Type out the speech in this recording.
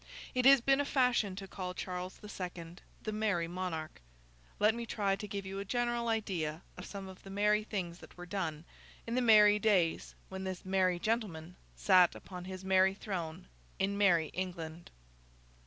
It has been a fashion to call Charles the Second 'The Merry Monarch.' Let me try to give you a general idea of some of the merry things that were done, in the merry days when this merry gentleman sat upon his merry throne, in merry England.